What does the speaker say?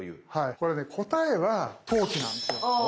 これね答えは投機なんですよ。